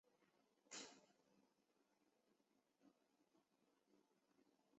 后担任郑州市纺织工业局局长。